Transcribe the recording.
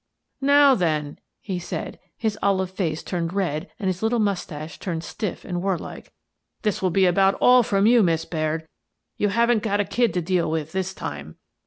" Now, then," he said, his olive face turned red and his little moustache turned stiff and warlike, " this will be about all from you, Miss Baird. You haven't got a kid to deal with this time."